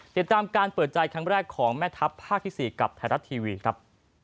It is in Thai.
ติดตามการเปิดใจครั้งแรกของแม่ทัพภาคที่๔กับไทยรัฐทีวีครับ